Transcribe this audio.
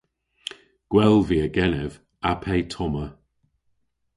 Gwell via genev a pe tomma.